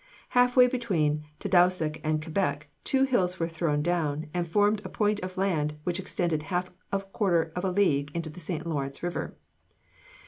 Half way between Tadousac and Quebec two hills were thrown down and formed a point of land which extended half a quarter of a league into the St. Lawrence River.